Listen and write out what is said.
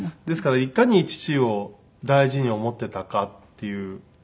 ですからいかに父を大事に思ってたかっていう。